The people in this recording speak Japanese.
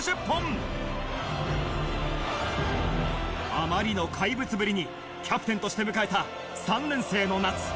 あまりの怪物ぶりにキャプテンとして迎えた３年生の夏。